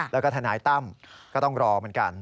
แล้วก็ทนายตั้มก็ต้องรอเหมือนกัน